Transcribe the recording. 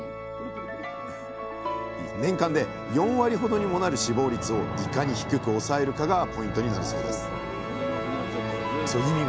年間で４割ほどにもなる死亡率をいかに低く抑えるかがポイントになるそうです